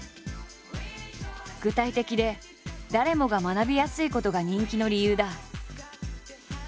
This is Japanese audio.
具体的で誰もが学びやすいことが人気の理由だ。